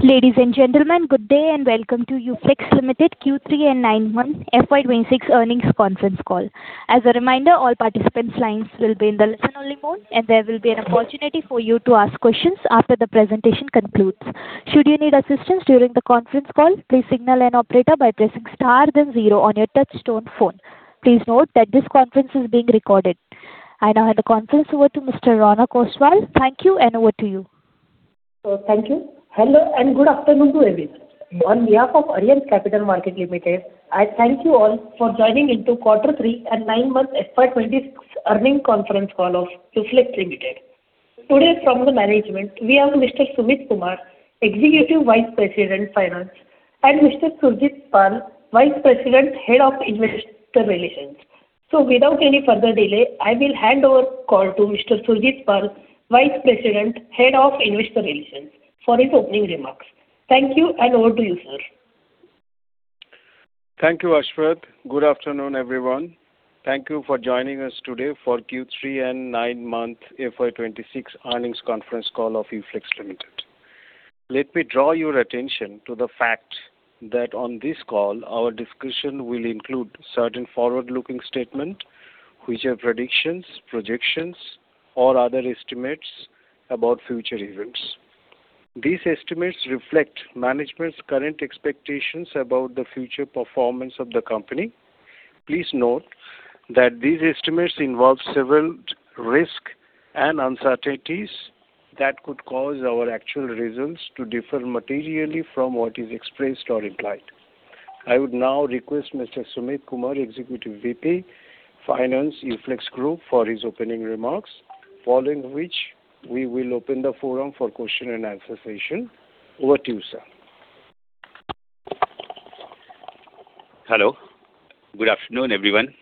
Ladies and gentlemen, good day, and welcome to UFlex Limited Q3 and Nine-Month FY 2026 Earnings Conference Call. As a reminder, all participants' lines will be in the listen-only mode, and there will be an opportunity for you to ask questions after the presentation concludes. Should you need assistance during the conference call, please signal an operator by pressing star then zero on your touchtone phone. Please note that this conference is being recorded. I now hand the conference over to Mr. Ronak Oswal. Thank you, and over to you. So thank you. Hello, and good afternoon to everyone. On behalf of Arihant Capital Markets Limited, I thank you all for joining into quarter three and nine-month FY 2026 earnings conference call of UFlex Limited. Today, from the management, we have Mr. Sumeet Kumar, Executive Vice President, Finance, and Mr. Surajit Pal, Vice President, Head of Investor Relations. So without any further delay, I will hand over call to Mr. Surajit Pal, Vice President, Head of Investor Relations, for his opening remarks. Thank you, and over to you, sir. Thank you, Ashok. Good afternoon, everyone. Thank you for joining us today for Q3 and nine-month FY 2026 earnings conference call of UFlex Limited. Let me draw your attention to the fact that on this call, our discussion will include certain forward-looking statement, which are predictions, projections, or other estimates about future events. These estimates reflect management's current expectations about the future performance of the company. Please note that these estimates involve several risk and uncertainties that could cause our actual results to differ materially from what is expressed or implied. I would now request Mr. Sumeet Kumar, Executive VP, Finance, UFlex Group, for his opening remarks, following which we will open the forum for question and answer session. Over to you, sir. Hello. Good afternoon, everyone.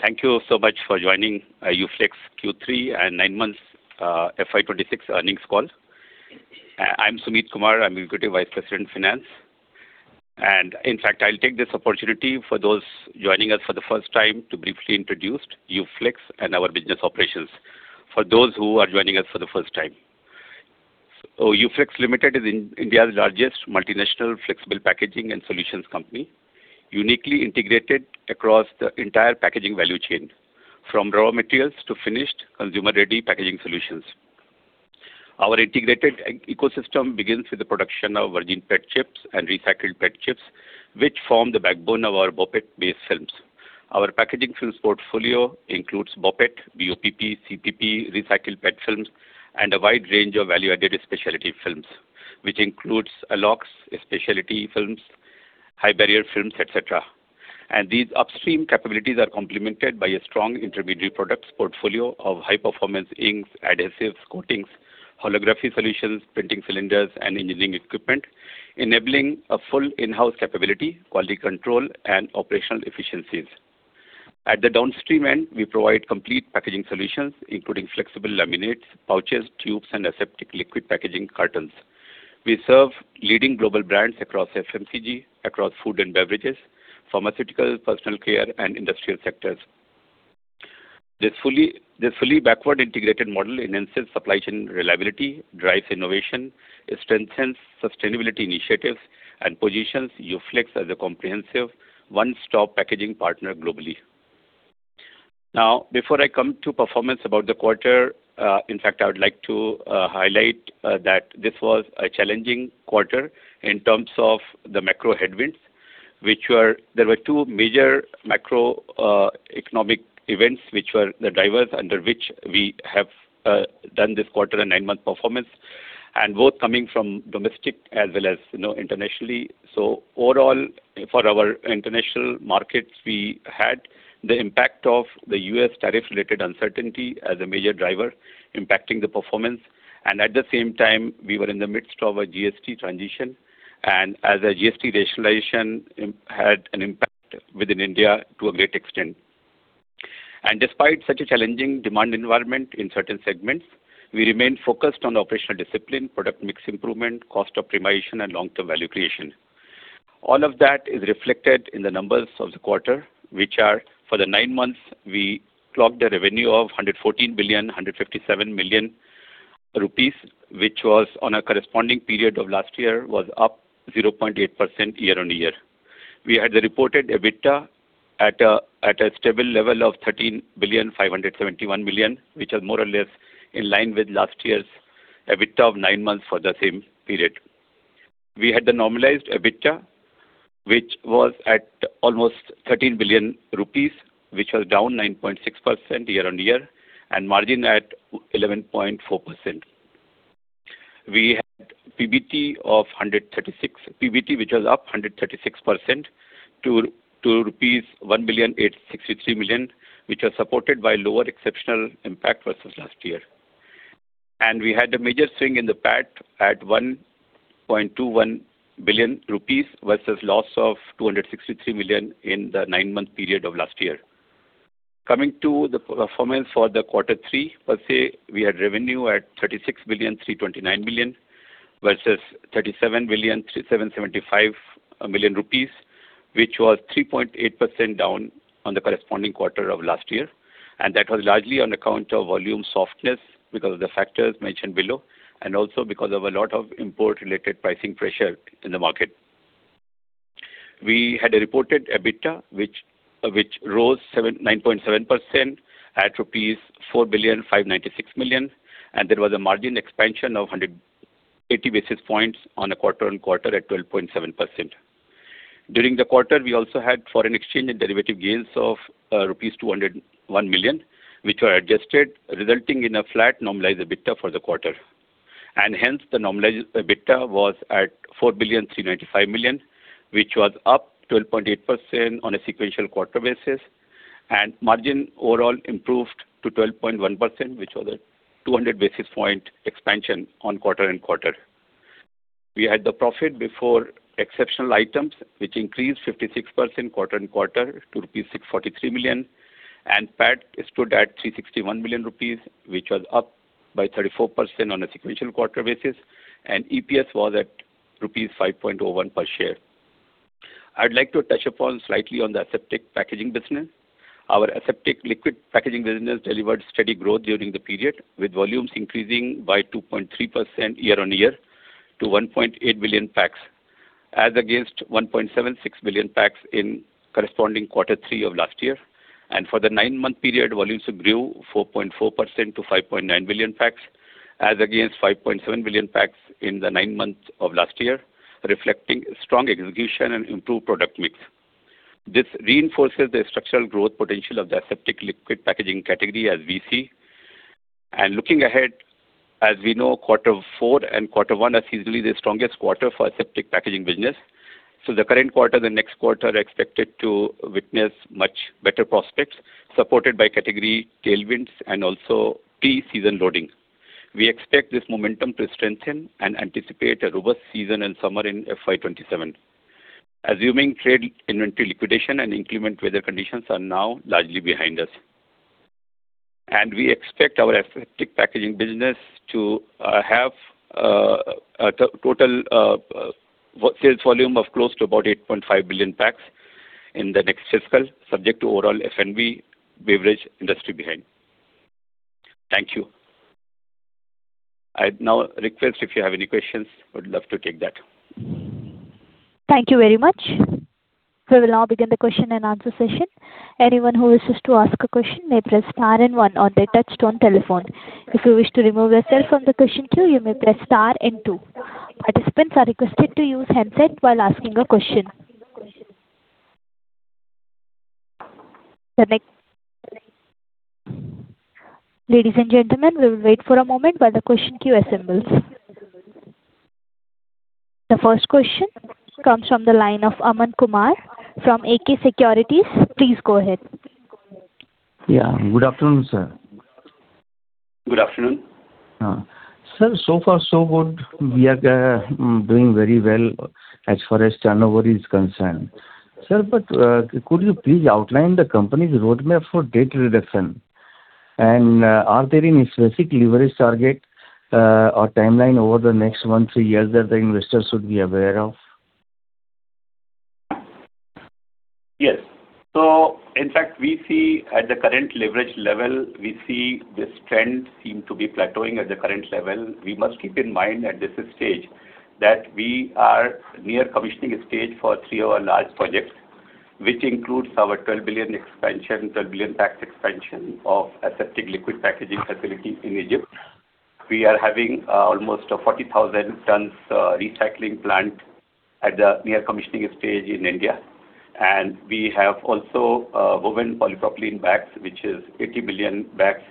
Thank you so much for joining UFlex Q3 and nine months FY 2026 earnings call. I'm Sumeet Kumar. I'm Executive Vice President, Finance, and in fact, I'll take this opportunity for those joining us for the first time to briefly introduce UFlex and our business operations for those who are joining us for the first time. UFlex Limited is India's largest multinational flexible packaging and solutions company, uniquely integrated across the entire packaging value chain, from raw materials to finished consumer-ready packaging solutions. Our integrated ecosystem begins with the production of virgin PET chips and recycled PET chips, which form the backbone of our BOPET-based films. Our packaging films portfolio includes BOPET, BOPP, CPP, recycled PET films, and a wide range of value-added specialty films, which includes AlOx, specialty films, high barrier films, et cetera. These upstream capabilities are complemented by a strong intermediary products portfolio of high-performance inks, adhesives, coatings, holography solutions, printing cylinders, and engineering equipment, enabling a full in-house capability, quality control, and operational efficiencies. At the downstream end, we provide complete packaging solutions, including flexible laminates, pouches, tubes, and aseptic liquid packaging cartons. We serve leading global brands across FMCG, across food and beverages, pharmaceutical, personal care, and industrial sectors. This fully, this fully backward integrated model enhances supply chain reliability, drives innovation, strengthens sustainability initiatives, and positions UFlex as a comprehensive one-stop packaging partner globally. Now, before I come to performance about the quarter, in fact, I would like to highlight that this was a challenging quarter in terms of the macro headwinds, which were... There were two major macroeconomic events, which were the drivers under which we have done this quarter and nine-month performance, and both coming from domestic as well as, you know, internationally. So overall, for our international markets, we had the impact of the U.S. tariff related uncertainty as a major driver impacting the performance, and at the same time, we were in the midst of a GST transition, and as a GST rationalization had an impact within India to a great extent. And despite such a challenging demand environment in certain segments, we remain focused on operational discipline, product mix improvement, cost optimization, and long-term value creation. All of that is reflected in the numbers of the quarter, which are: for the nine months, we clocked a revenue of 114.157 billion, which was on a corresponding period of last year, was up 0.8% year-on-year. We had the reported EBITDA at a stable level of 13.571 billion, which was more or less in line with last year's EBITDA of nine months for the same period. We had the normalized EBITDA, which was at almost 13 billion rupees, which was down 9.6% year-on-year, and margin at 11.4%. We had PBT, which was up 136% to rupees 1.863 billion, which was supported by lower exceptional impact versus last year. We had a major swing in the PAT at 1.21 billion rupees, versus loss of 263 million in the nine-month period of last year. Coming to the performance for the quarter three, per se, we had revenue at 36.329 billion, versus 40.775 billion rupees, which was 3.8% down on the corresponding quarter of last year, and that was largely on account of volume softness because of the factors mentioned below, and also because of a lot of import-related pricing pressure in the market. We had a reported EBITDA, which rose 79.7% at rupees 4.596 billion, and there was a margin expansion of 180 basis points on a quarter-on-quarter at 12.7%. During the quarter, we also had foreign exchange and derivative gains of rupees 201 million, which were adjusted, resulting in a flat normalized EBITDA for the quarter. Hence, the normalized EBITDA was at 4,395 million, which was up 12.8% on a sequential quarter basis, and margin overall improved to 12.1%, which was a 200 basis point expansion on quarter and quarter. We had the profit before exceptional items, which increased 56% quarter and quarter to rupees 643 million, and PAT stood at 361 million rupees, which was up by 34% on a sequential quarter basis, and EPS was at rupees 5.01 per share. I'd like to touch upon slightly on the aseptic packaging business. Our aseptic liquid packaging business delivered steady growth during the period, with volumes increasing by 2.3% year-on-year to 1.8 billion packs, as against 1.76 billion packs in corresponding quarter three of last year. For the nine-month period, volumes grew 4.4% to 5.9 billion packs, as against 5.7 billion packs in the nine months of last year, reflecting strong execution and improved product mix. This reinforces the structural growth potential of the aseptic liquid packaging category, as we see. Looking ahead, as we know, quarter four and quarter one are seasonally the strongest quarter for aseptic packaging business. The current quarter, the next quarter, are expected to witness much better prospects, supported by category tailwinds and also pre-season loading. We expect this momentum to strengthen and anticipate a robust season and summer in FY 2027, assuming trade inventory liquidation and inclement weather conditions are now largely behind us. And we expect our aseptic packaging business to have a total sales volume of close to about 8.5 billion packs in the next fiscal, subject to overall F&B beverage industry behind. Thank you. I'd now request, if you have any questions, I would love to take that. Thank you very much. We will now begin the question and answer session. Anyone who wishes to ask a question may press star and one on their touch-tone telephone. If you wish to remove yourself from the question queue, you may press star and two. Participants are requested to use headset while asking a question. Ladies and gentlemen, we will wait for a moment while the question queue assembles. The first question comes from the line of Aman Kumar from AK Securities. Please go ahead. Yeah. Good afternoon, sir. Good afternoon. Sir, so far, so good. We are doing very well as far as turnover is concerned. Sir, but could you please outline the company's roadmap for debt reduction? And are there any specific leverage target or timeline over the next one to two years that the investors should be aware of? Yes. So in fact, we see at the current leverage level, we see this trend seem to be plateauing at the current level. We must keep in mind at this stage, that we are near commissioning stage for three of our large projects, which includes our 12 billion expansion, 12 billion capex expansion of aseptic liquid packaging facility in Egypt. We are having almost 40,000 tons recycling plant at the near commissioning stage in India, and we have also woven polypropylene bags, which is 80 billion bags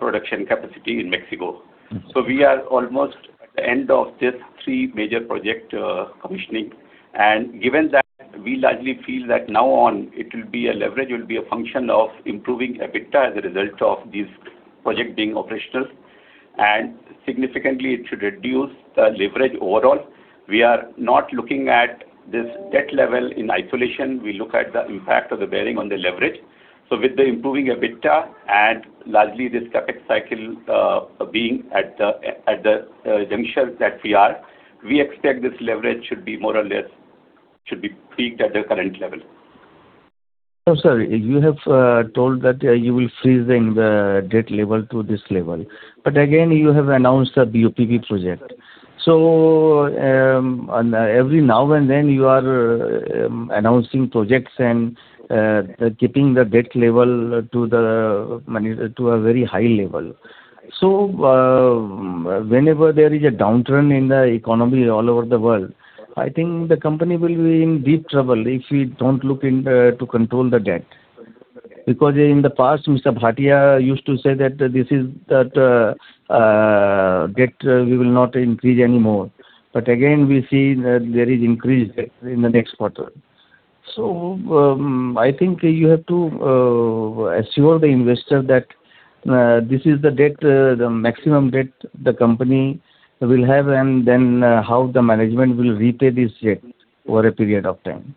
production capacity in Mexico. Mm-hmm. So we are almost at the end of this three major project, commissioning. And given that, we largely feel that now on, it will be a leverage, it will be a function of improving EBITDA as a result of this project being operational. And significantly, it should reduce the leverage overall. We are not looking at this debt level in isolation. We look at the impact of the bearing on the leverage. So with the improving EBITDA and largely this CapEx cycle, being at the juncture that we are, we expect this leverage should be more or less, should be peaked at the current level. Oh, sorry. You have told that you will freezing the debt level to this level. But again, you have announced a BOPP project. So, on every now and then, you are announcing projects and keeping the debt level to the money, to a very high level. So, whenever there is a downturn in the economy all over the world, I think the company will be in deep trouble if we don't look in the to control the debt. Because in the past, Mr. Bhatia used to say that the, this is, that, debt we will not increase anymore. But again, we see that there is increase debt in the next quarter. So, I think you have to assure the investor that this is the debt, the maximum debt the company will have, and then how the management will repay this debt over a period of time. ...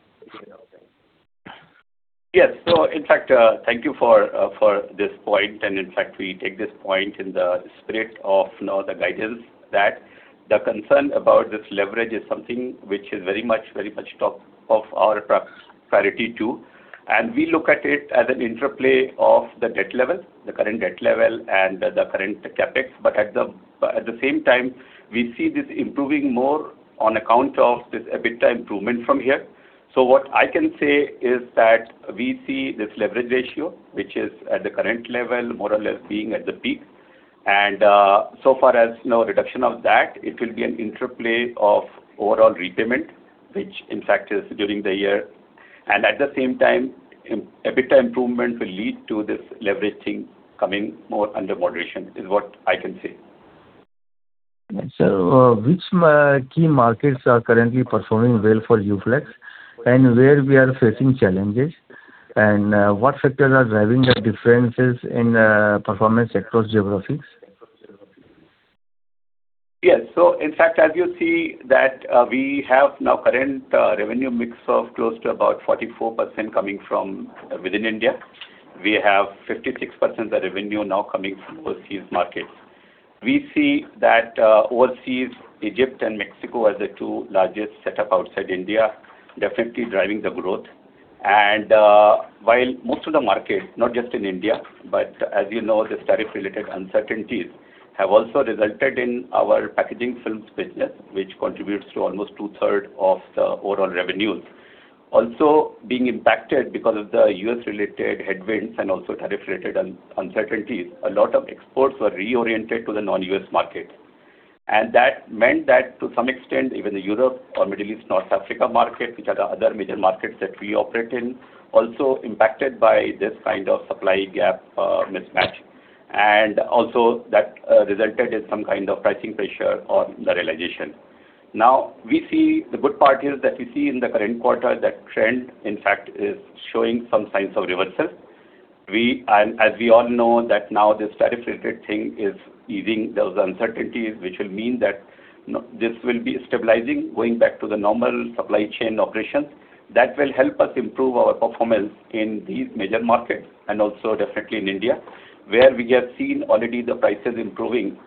Yes. So in fact, thank you for, for this point. And in fact, we take this point in the spirit of, you know, the guidance that the concern about this leverage is something which is very much, very much top of our priority, too. And we look at it as an interplay of the debt level, the current debt level, and the current CapEx. But at the same time, we see this improving more on account of this EBITDA improvement from here. So what I can say is that we see this leverage ratio, which is at the current level, more or less being at the peak. And, so far as no reduction of that, it will be an interplay of overall repayment, which in fact is during the year. At the same time, EBITDA improvement will lead to this leveraging coming more under moderation, is what I can say. Which key markets are currently performing well for UFlex, and where we are facing challenges? What sectors are driving the differences in performance across geographies? Yes. So in fact, as you see that, we have now current revenue mix of close to about 44% coming from within India. We have 56% of the revenue now coming from overseas markets. We see that, overseas, Egypt and Mexico as the two largest setups outside India, definitely driving the growth. And, while most of the market, not just in India, but as you know, the tariff-related uncertainties have also resulted in our packaging films business, which contributes to almost two-thirds of the overall revenues, also being impacted because of the U.S.-related headwinds and also tariff-related uncertainties, a lot of exports were reoriented to the non-U.S. market. That meant that to some extent, even the Europe or Middle East, North Africa market, which are the other major markets that we operate in, also impacted by this kind of supply gap, mismatch. That resulted in some kind of pricing pressure on the realization. Now, we see the good part is that we see in the current quarter, that trend, in fact, is showing some signs of reversal. We and as we all know, that now this tariff-related thing is easing those uncertainties, which will mean that this will be stabilizing, going back to the normal supply chain operations. That will help us improve our performance in these major markets, and also definitely in India, where we have seen already the prices improving.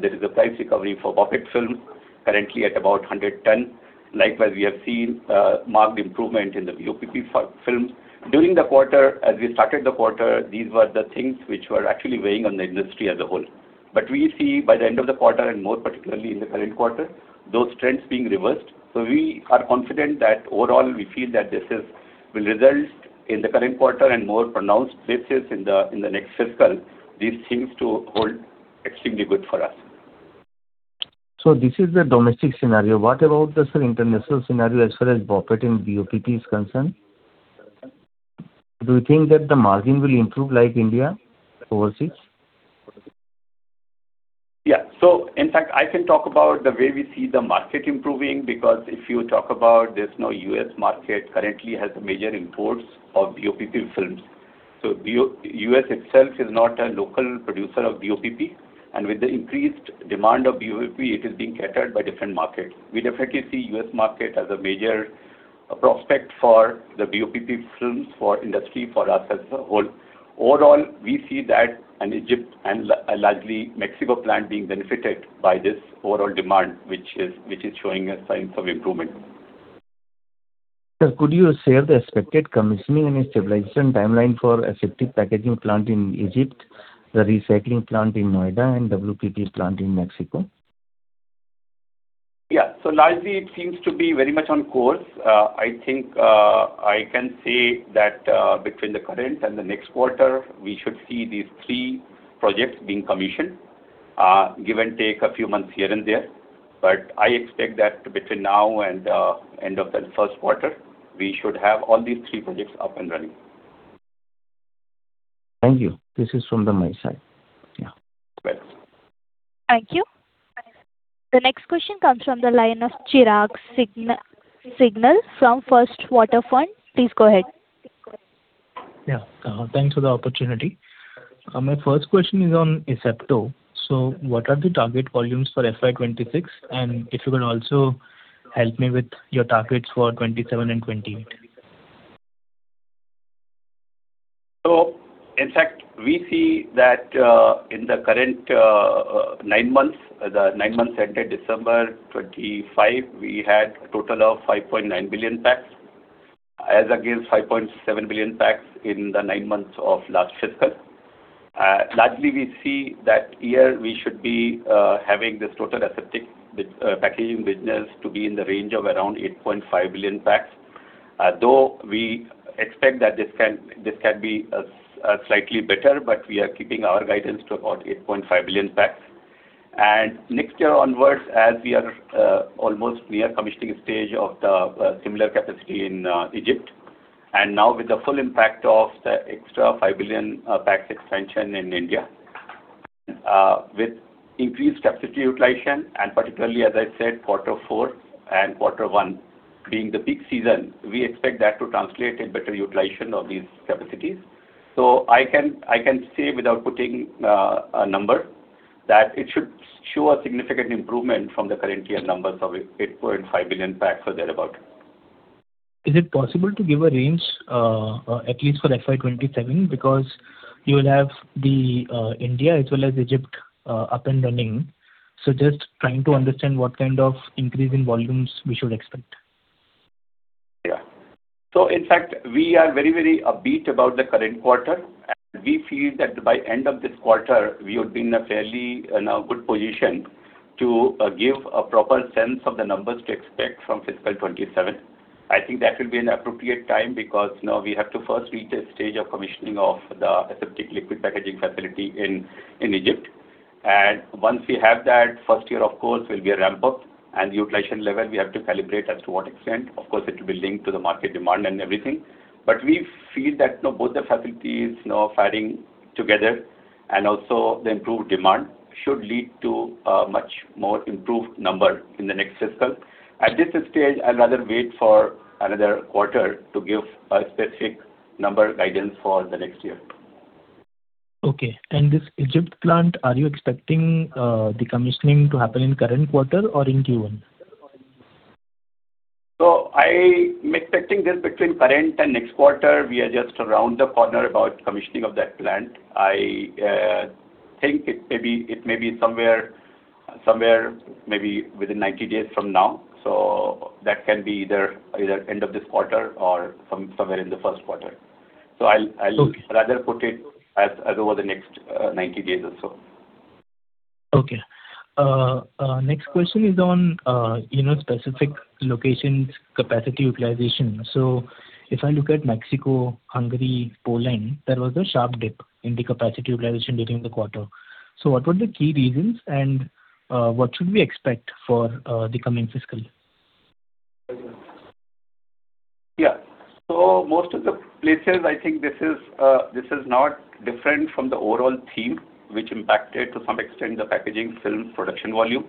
There is a price recovery for BOPET film, currently at about $100/ton. Likewise, we have seen marked improvement in the BOPP films. During the quarter, as we started the quarter, these were the things which were actually weighing on the industry as a whole. But we see by the end of the quarter, and more particularly in the current quarter, those trends being reversed. So we are confident that overall, we feel that this is, will result in the current quarter and more pronounced places in the, in the next fiscal, these things to hold extremely good for us. So this is the domestic scenario. What about the, sir, international scenario as far as BOPET and BOPP is concerned? Do you think that the margin will improve like India, overseas? Yeah. So in fact, I can talk about the way we see the market improving, because if you talk about this, now U.S. market currently has major imports of BOPP films. So U.S. itself is not a local producer of BOPP, and with the increased demand of BOPP, it is being catered by different markets. We definitely see U.S. market as a major prospect for the BOPP films, for industry, for us as a whole. Overall, we see that an Egypt and largely Mexico plant being benefited by this overall demand, which is showing us signs of improvement. Sir, could you share the expected commissioning and stabilization timeline for aseptic packaging plant in Egypt, the recycling plant in Noida, and WPP plant in Mexico? Yeah. So largely, it seems to be very much on course. I think, I can say that, between the current and the next quarter, we should see these three projects being commissioned, give and take a few months here and there. But I expect that between now and, end of the first quarter, we should have all these three projects up and running. Thank you. This is from my side. Yeah. Right. Thank you. The next question comes from the line of Chirag Singhal from First Water Capital. Please go ahead. Yeah. Thanks for the opportunity. My first question is on Asepto. So what are the target volumes for FY 2026? And if you can also help me with your targets for 2027 and 2028. In fact, we see that in the current nine months, the nine months ended December 25, we had a total of 5.9 billion packs, as against 5.7 billion packs in the nine months of last fiscal. Largely, we see that year we should be having this total aseptic packaging business to be in the range of around 8.5 billion packs. Though we expect that this can, this can be slightly better, but we are keeping our guidance to about 8.5 billion packs. Next year onwards, as we are almost near commissioning stage of the similar capacity in Egypt, and now with the full impact of the extra 5 billion packs expansion in India, with increased capacity utilization, and particularly, as I said, quarter four and quarter one being the peak season, we expect that to translate in better utilization of these capacities. So I can, I can say without putting a number... that it should show a significant improvement from the current year numbers of 8.85 billion packs or thereabout. Is it possible to give a range, at least for FY 2027? Because you will have the India as well as Egypt up and running. So just trying to understand what kind of increase in volumes we should expect. Yeah. So in fact, we are very, very upbeat about the current quarter. And we feel that by end of this quarter, we would be in a fairly, you know, good position to give a proper sense of the numbers to expect from fiscal 2027. I think that will be an appropriate time, because now we have to first reach a stage of commissioning of the aseptic liquid packaging facility in Egypt. And once we have that, first year, of course, will be a ramp-up, and utilization level, we have to calibrate as to what extent. Of course, it will be linked to the market demand and everything. But we feel that, you know, both the facilities, you know, firing together and also the improved demand should lead to a much more improved number in the next fiscal. At this stage, I'd rather wait for another quarter to give a specific number guidance for the next year. Okay. And this Egypt plant, are you expecting the commissioning to happen in current quarter or in Q1? So I'm expecting this between current and next quarter. We are just around the corner about commissioning of that plant. I think it may be, it may be somewhere, somewhere maybe within 90 days from now. So that can be either, either end of this quarter or somewhere in the first quarter. So I'll, I'll- Okay. rather put it as, as over the next 90 days or so. Okay. Next question is on, you know, specific locations, capacity utilization. So if I look at Mexico, Hungary, Poland, there was a sharp dip in the capacity utilization during the quarter. So what were the key reasons, and, what should we expect for, the coming fiscal? Yeah. So most of the places, I think this is, this is not different from the overall theme, which impacted, to some extent, the packaging film production volume.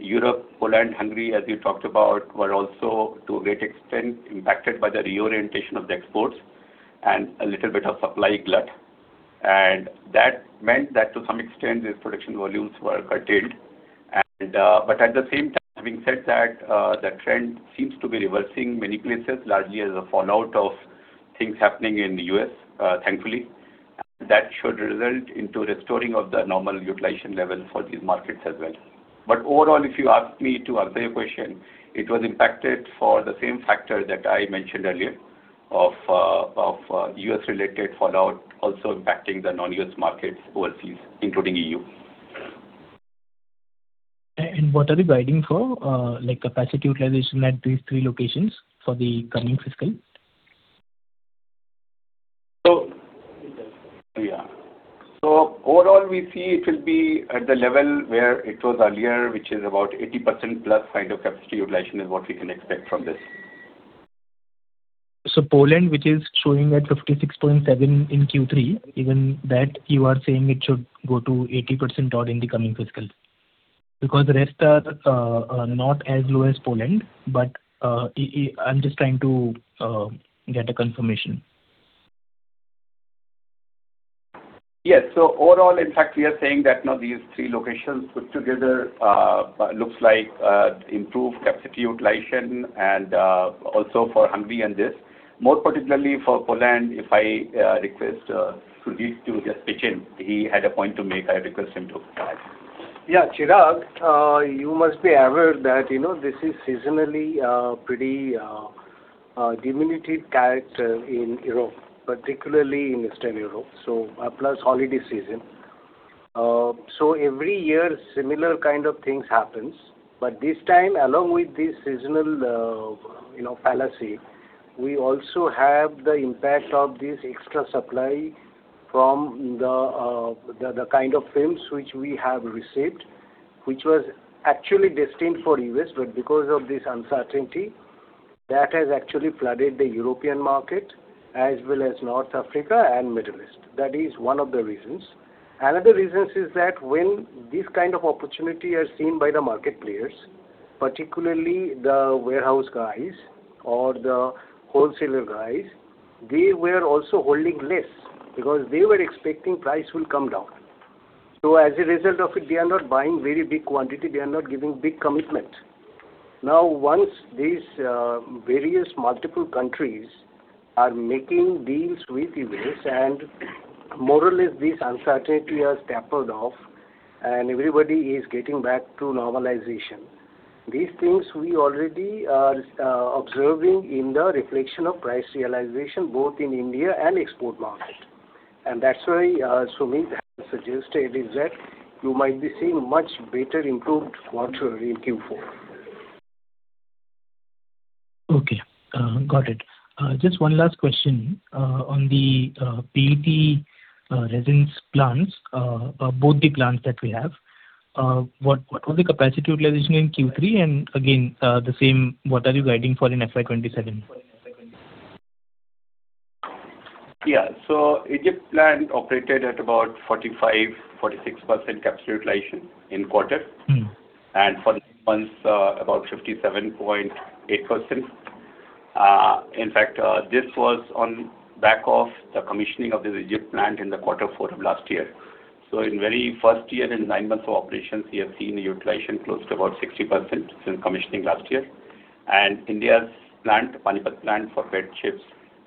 Europe, Poland, Hungary, as you talked about, were also, to a great extent, impacted by the reorientation of the exports and a little bit of supply glut. And that meant that, to some extent, these production volumes were curtailed. But at the same time, having said that, the trend seems to be reversing many places, largely as a fallout of things happening in the U.S., thankfully. That should result into restoring of the normal utilization level for these markets as well. But overall, if you ask me to answer your question, it was impacted for the same factor that I mentioned earlier of, of, U.S.-related fallout also impacting the non-U.S. markets overseas, including E.U. What are you guiding for, like, capacity utilization at these three locations for the coming fiscal? So, yeah. So overall, we see it will be at the level where it was earlier, which is about 80% plus kind of capacity utilization is what we can expect from this. So Poland, which is showing at 56.7 in Q3, even that you are saying it should go to 80% or in the coming fiscal? Because the rest are not as low as Poland, but, I'm just trying to get a confirmation. Yes. So overall, in fact, we are saying that, you know, these three locations put together, looks like, improved capacity utilization and, also for Hungary and this. More particularly for Poland, if I, request, Sudeep to just pitch in. He had a point to make. I request him to add. Yeah, Chirag, you must be aware that, you know, this is seasonally, pretty, diminutive character in Europe, particularly in Eastern Europe, so plus holiday season. So every year, similar kind of things happens, but this time, along with this seasonal, you know, fallacy, we also have the impact of this extra supply from the, the kind of films which we have received, which was actually destined for U.S. But because of this uncertainty, that has actually flooded the European market as well as North Africa and Middle East. That is one of the reasons. Another reasons is that when this kind of opportunity are seen by the market players, particularly the warehouse guys or the wholesaler guys, they were also holding less, because they were expecting price will come down. So as a result of it, they are not buying very big quantity. They are not giving big commitment. Now, once these various multiple countries are making deals with U.S., and more or less, this uncertainty has tapered off and everybody is getting back to normalization, these things we already are observing in the reflection of price realization, both in India and export market. And that's why Sumeet has suggested is that you might be seeing much better improved quarter in Q4. Okay, got it. Just one last question on the PET resins plants, both the plants that we have. What was the capacity utilization in Q3? And again, the same, what are you guiding for in FY 2027? Yeah. So Egypt plant operated at about 45%-46% capacity utilization in quarter. Mm-hmm. For next months, about 57.8%. In fact, this was on back of the commissioning of the Egypt plant in the fourth quarter of last year. So in very first year, in nine months of operations, we have seen the utilization close to about 60% since commissioning last year. And India's plant, Panipat plant, for PET chips,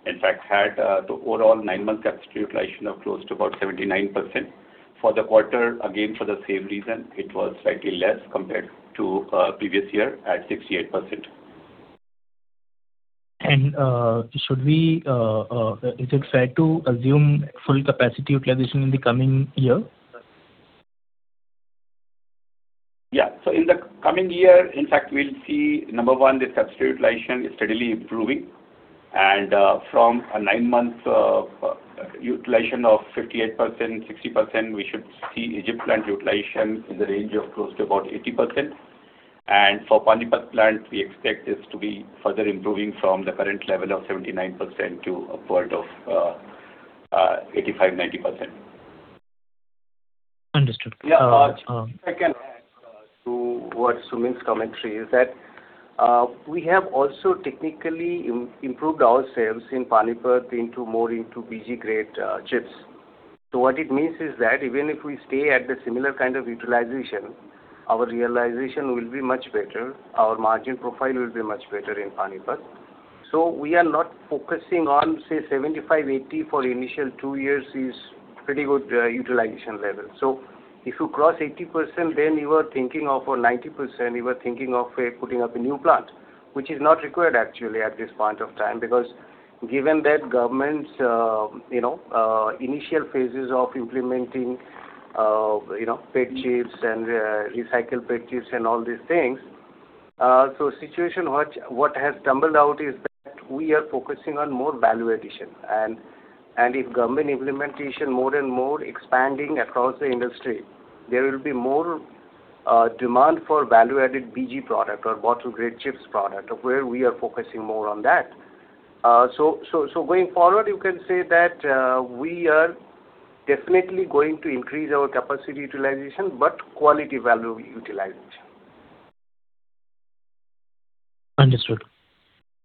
in fact, had the overall nine-month capacity utilization of close to about 79%. For the quarter, again, for the same reason, it was slightly less compared to previous year at 68%. Should we, is it fair to assume full capacity utilization in the coming year? Yeah. So in the coming year, in fact, we'll see, number one, the capacity utilization is steadily improving. And from a 9-month utilization of 58%-60%, we should see Egypt plant utilization in the range of close to about 80%. And for Panipat plant, we expect this to be further improving from the current level of 79% to upward of 85-90%. Understood. Yeah, if I can add to what Sumeet's commentary is that we have also technically improved ourselves in Panipat into more into BG grade chips. So what it means is that even if we stay at the similar kind of utilization, our realization will be much better, our margin profile will be much better in Panipat. So we are not focusing on, say, 75, 80 for initial two years is pretty good utilization level. So if you cross 80%, then you are thinking of a 90%, you are thinking of putting up a new plant, which is not required actually at this point of time. Because, given that the government's, you know, initial phases of implementing, you know, PET chips and, recycled PET chips and all these things, so the situation what, what has tumbled out is that we are focusing on more value addition. And, and if government implementation more and more expanding across the industry, there will be more, demand for value-added BG product or bottle-grade chips product, where we are focusing more on that. So, so, so going forward, you can say that, we are definitely going to increase our capacity utilization, but quality value utilization. Understood.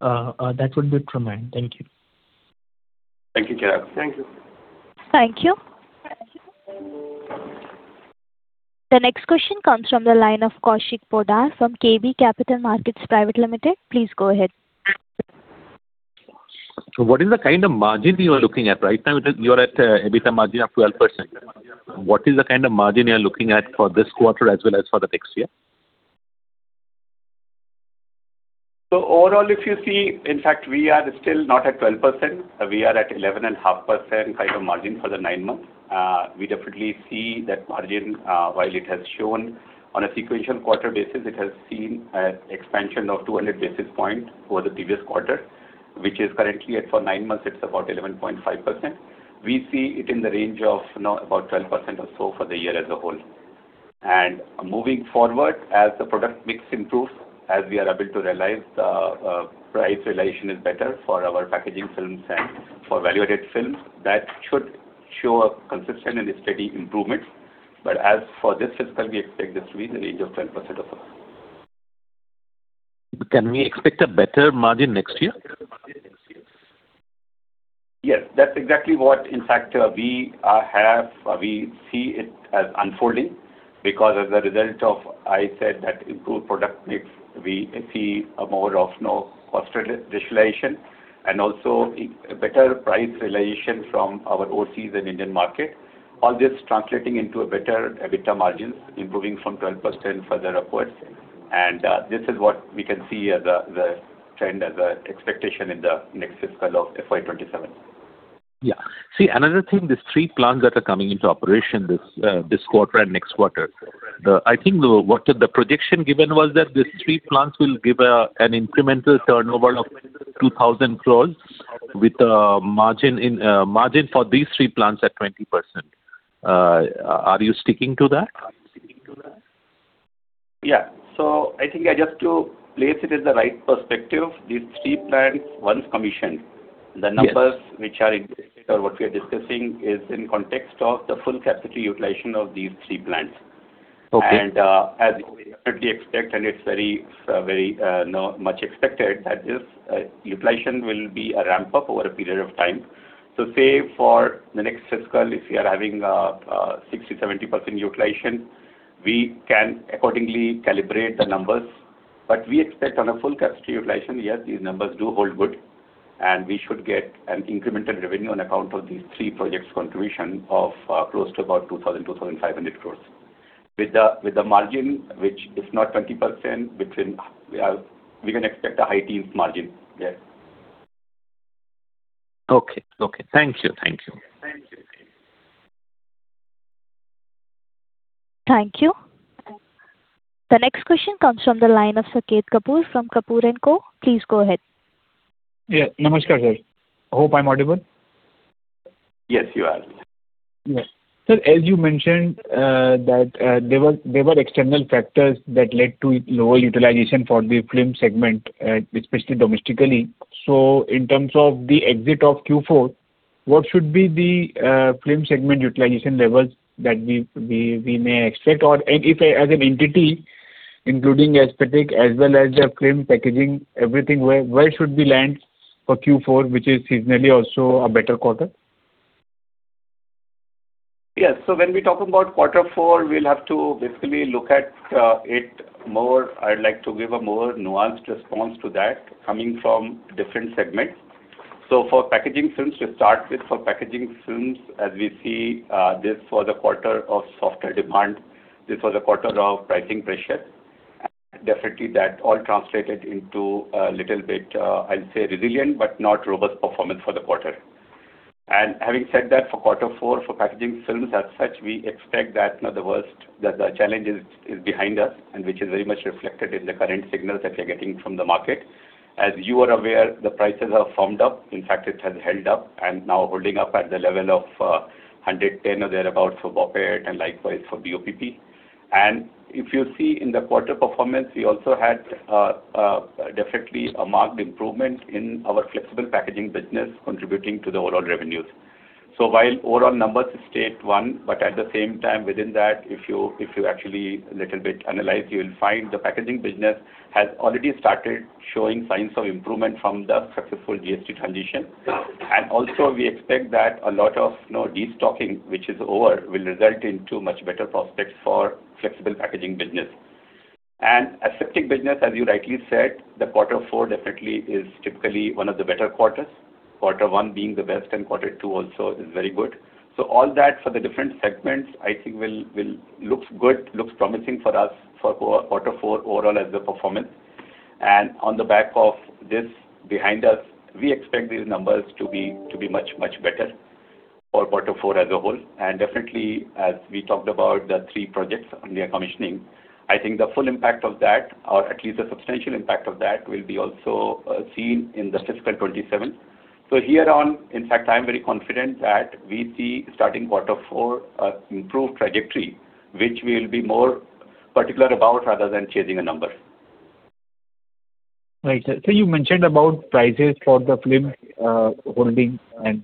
That would be it from me. Thank you. Thank you, Chirag. Thank you. Thank you. The next question comes from the line of Kaushik Poddar from KB Capital Markets Private Limited. Please go ahead. So what is the kind of margin you are looking at? Right now, you are at EBITDA margin of 12%. What is the kind of margin you are looking at for this quarter as well as for the next year? So overall, if you see, in fact, we are still not at 12%. We are at 11.5% kind of margin for the nine months. We definitely see that margin, while it has shown on a sequential quarter basis, it has seen an expansion of 200 basis points over the previous quarter, which is currently at for nine months, it's about 11.5%. We see it in the range of now about 12% or so for the year as a whole. And moving forward, as the product mix improves, as we are able to realize, price realization is better for our packaging films and for value-added films, that should show a consistent and steady improvement. But as for this fiscal, we expect this to be in the range of 10% or so. Can we expect a better margin next year? Yes. That's exactly what in fact, we have... We see it as unfolding because as a result of I said that improved product mix, we see a more of no cost realization and also a, a better price realization from our OCs in Indian market. All this translating into a better EBITDA margins, improving from 12% further upwards. And, this is what we can see as the, the trend and the expectation in the next fiscal of FY 2027. Yeah. See, another thing, these three plants that are coming into operation this quarter and next quarter. I think what the projection given was that these three plants will give an incremental turnover of 2,000 crore with a margin in, margin for these three plants at 20%. Are you sticking to that? Yeah. So I think I just to place it in the right perspective, these three plants, once commissioned, the numbers- Yes. Which are expected, or what we are discussing is in context of the full capacity utilization of these three plants. Okay. As we currently expect, and it's very, very, not much expected, that this utilization will be a ramp-up over a period of time. So say for the next fiscal, if you are having 60, 70% utilization, we can accordingly calibrate the numbers. But we expect on a full capacity utilization, yes, these numbers do hold good, and we should get an incremental revenue on account of these three projects' contribution of close to about 2,000 crore-2,500 crore. With the, with the margin, which is not 20%, between, we can expect a high teens margin. Yes. Okay. Okay. Thank you. Thank you. Thank you. Thank you. The next question comes from the line of Saket Kapoor from Kapoor & Co. Please go ahead. Yeah. Namaskar, sir. Hope I'm audible? Yes, you are. Yes. Sir, as you mentioned, that there were, there were external factors that led to lower utilization for the film segment, especially domestically. So in terms of the exit of Q4... What should be the film segment utilization levels that we may expect? Or if as an entity, including aseptic as well as the film packaging, everything, where should we land for Q4, which is seasonally also a better quarter? Yes. So when we talk about quarter four, we'll have to basically look at it more. I'd like to give a more nuanced response to that coming from different segments. So for packaging films, to start with, for packaging films, as we see, this was a quarter of softer demand. This was a quarter of pricing pressure. And definitely that all translated into a little bit, I'll say, resilient, but not robust performance for the quarter. And having said that, for quarter four, for packaging films as such, we expect that not the worst, that the challenge is behind us, and which is very much reflected in the current signals that we're getting from the market. As you are aware, the prices have firmed up. In fact, it has held up and now holding up at the level of 110 or thereabout for BOPET and likewise for BOPP. And if you see in the quarter performance, we also had definitely a marked improvement in our flexible packaging business, contributing to the overall revenues. So while overall numbers state one, but at the same time, within that, if you actually little bit analyze, you will find the packaging business has already started showing signs of improvement from the successful GST transition. And also we expect that a lot of, you know, destocking, which is over, will result in too much better prospects for flexible packaging business. And aseptic business, as you rightly said, the quarter four definitely is typically one of the better quarters. Quarter one being the best, and quarter two also is very good. So all that for the different segments, I think will look good, look promising for us for quarter four overall as the performance. And on the back of this behind us, we expect these numbers to be much better for quarter four as a whole. And definitely, as we talked about the three projects under commissioning, I think the full impact of that, or at least the substantial impact of that, will also be seen in the fiscal 2027. So here on, in fact, I'm very confident that we see starting quarter four improved trajectory, which we'll be more particular about rather than chasing a number. Right. So you mentioned about prices for the film holding, and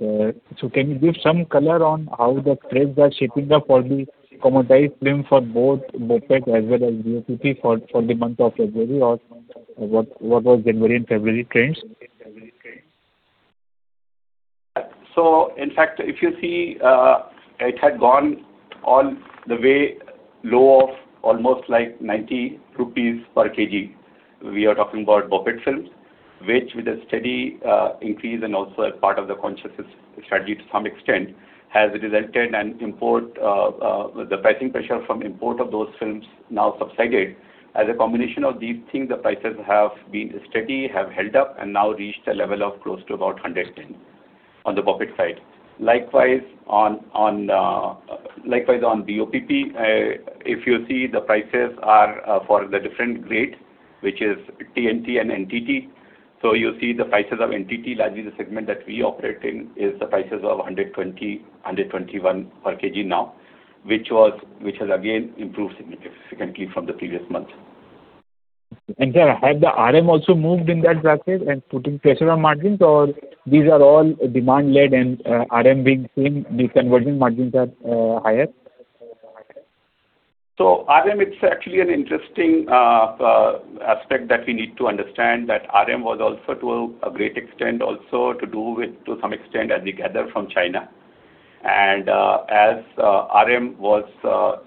so can you give some color on how the trends are shaping up for the commoditized film for both BOPET as well as BOPP for the month of February, or what was January and February trends? So in fact, if you see, it had gone all the way low of almost like 90 rupees per kg. We are talking about BOPET films, which with a steady, increase and also as part of the containment strategy to some extent, has resulted in import, the pricing pressure from import of those films now subsided. As a combination of these things, the prices have been steady, have held up, and now reached a level of close to about 110 on the BOPET side. Likewise, on, likewise, on BOPP, if you see the prices are, for the different grade, which is TNT and NTT. So you see the prices of NTT, largely the segment that we operate in, is the prices of 120, 121 per kg now, which has again improved significantly from the previous month. And sir, have the RM also moved in that bracket and putting pressure on margins, or these are all demand-led and, RM being same, the conversion margins are higher? So RM, it's actually an interesting aspect that we need to understand, that RM was also to a great extent, also to do with, to some extent, as we gather from China. And, as, RM was,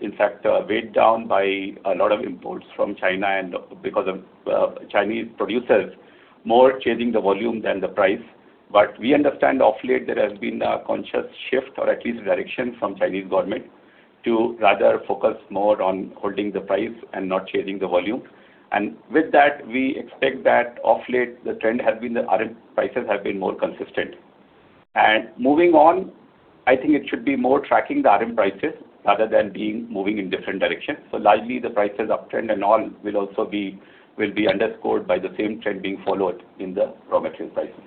in fact, weighed down by a lot of imports from China and because of, Chinese producers more changing the volume than the price. But we understand of late there has been a conscious shift, or at least direction, from Chinese government to rather focus more on holding the price and not changing the volume. And with that, we expect that of late the trend has been the RM prices have been more consistent. And moving on, I think it should be more tracking the RM prices rather than being moving in different directions. Largely the prices uptrend and all will also be underscored by the same trend being followed in the raw material prices.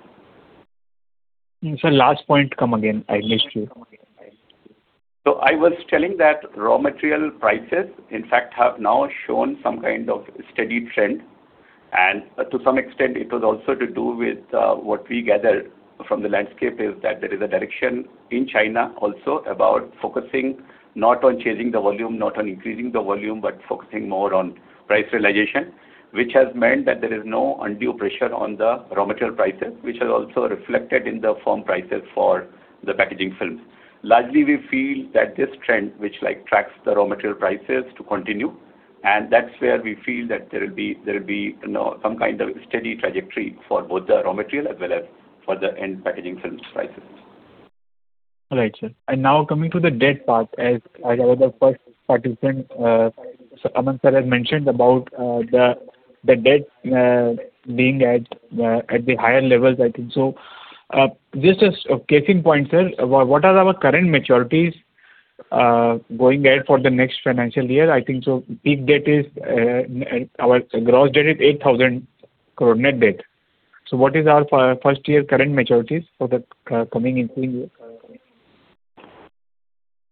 Sir, last point come again, I missed you. So I was telling that raw material prices, in fact, have now shown some kind of steady trend. And to some extent, it was also to do with what we gathered from the landscape, is that there is a direction in China also about focusing not on changing the volume, not on increasing the volume, but focusing more on price realization. Which has meant that there is no undue pressure on the raw material prices, which is also reflected in the firm prices for the packaging films. Largely, we feel that this trend, which like tracks the raw material prices, to continue, and that's where we feel that there will be, there will be, you know, some kind of steady trajectory for both the raw material as well as for the end packaging films prices. All right, sir. And now coming to the debt part, as our first participant, so Aman sir has mentioned about the debt being at the higher levels, I think. So, just as a starting point, sir, what are our current maturities going ahead for the next financial year? I think peak debt is our gross debt is 8,000 net debt. So what is our first year current maturities for the coming into year?...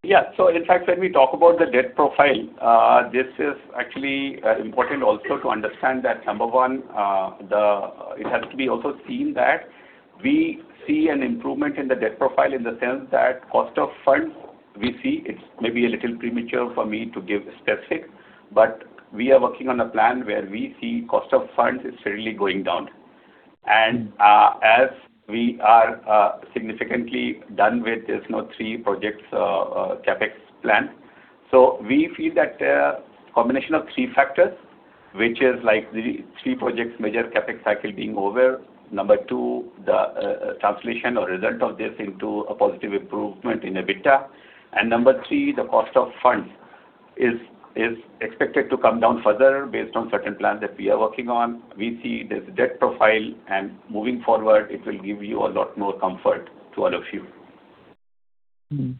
Yeah. So in fact, when we talk about the debt profile, this is actually important also to understand that number one, the-- it has to be also seen that we see an improvement in the debt profile in the sense that cost of funds, we see it's maybe a little premature for me to give specific, but we are working on a plan where we see cost of funds is really going down. And, as we are significantly done with, there's no three projects, CapEx plan. So we feel that combination of three factors, which is like the three projects, major CapEx cycle being over. Number two, the translation or result of this into a positive improvement in EBITDA. Number three, the cost of funds is expected to come down further based on certain plans that we are working on. We see this debt profile, and moving forward, it will give you a lot more comfort to all of you. Mm-hmm.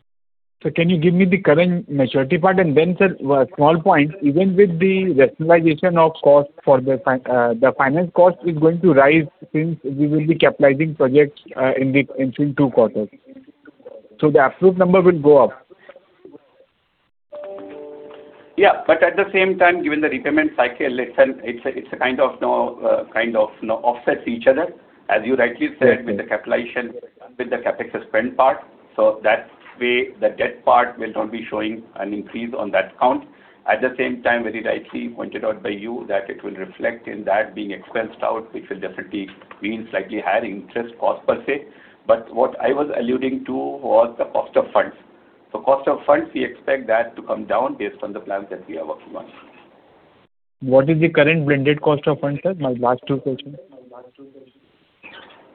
So can you give me the current maturity part? And then, sir, a small point, even with the rationalization of cost for the finance cost is going to rise since we will be capitalizing projects into two quarters. So the absolute number will go up. Yeah, but at the same time, given the repayment cycle, it's a kind of, you know, kind of, you know, offsets each other, as you rightly said, with the capitalization, with the CapEx spend part. So that way, the debt part will not be showing an increase on that count. At the same time, very rightly pointed out by you that it will reflect in that being expensed out, which will definitely mean slightly higher interest cost per se. But what I was alluding to was the cost of funds. So cost of funds, we expect that to come down based on the plans that we are working on. What is the current blended cost of funds, sir? My last two questions.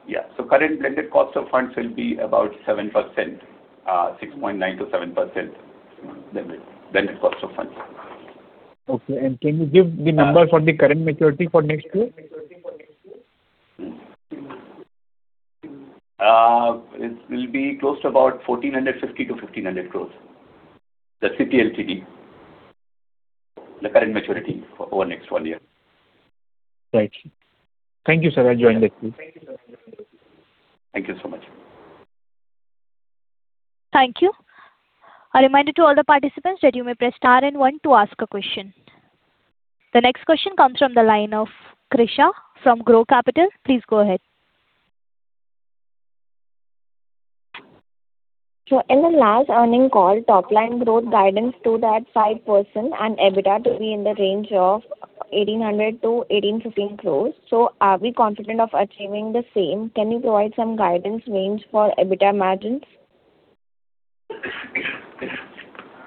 Yeah. So current blended cost of funds will be about 7%, 6.9%-7%. Mm-hmm, blended, blended cost of funds. Okay. And can you give the number for the current maturity for next year? It will be close to about 1,450 crore-1,500 crore. That's CPLTD, the current maturity for over next one year. Right. Thank you, sir. I joined the team. Thank you so much. Thank you. A reminder to all the participants that you may press star and one to ask a question. The next question comes from the line of Krisha from Grow Capital. Please go ahead. In the last earnings call, top line growth guidance to that 5% and EBITDA to be in the range of 1,800 crore-1,815 crore. Are we confident of achieving the same? Can you provide some guidance range for EBITDA margins?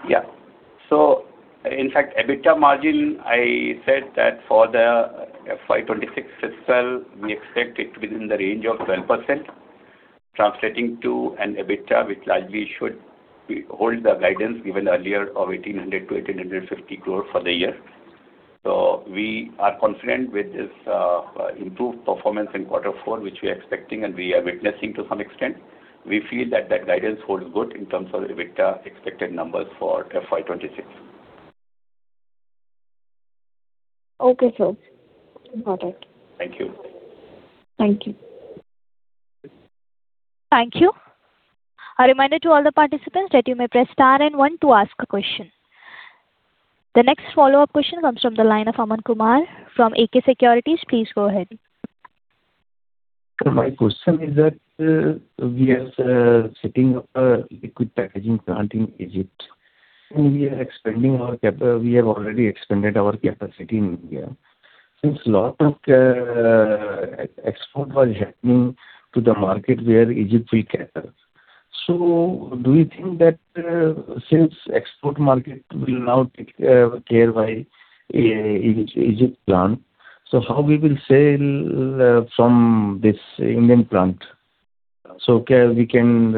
Yeah. So in fact, EBITDA margin, I said that for the FY 2026 fiscal, we expect it within the range of 12%, translating to an EBITDA, which largely should hold the guidance given earlier of 1,800 crore-1,850 crore for the year. So we are confident with this, improved performance in quarter four, which we are expecting and we are witnessing to some extent. We feel that that guidance holds good in terms of EBITDA expected numbers for FY 2026. Okay, sir. Got it. Thank you. Thank you. Thank you. A reminder to all the participants that you may press star and one to ask a question. The next follow-up question comes from the line of Aman Kumar from AK Securities. Please go ahead. My question is that, we are setting up a liquid packaging plant in Egypt, and we are expanding our capacity. We have already expanded our capacity in India. Since a lot of export was happening to the market where Egypt we cater. So do you think that, since export market will now take care by Egypt plant, so how we will sell from this Indian plant so can we can